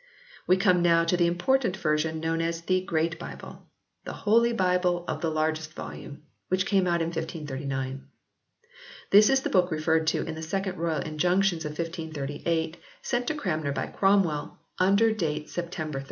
We come now to the important version known as The Great Bible " the hole byble of the largyest volume/ which came out in 1539. This is the book referred to in the Second Royal Injunctions of 1538, sent to Cranmer by Cromwell under date September 30.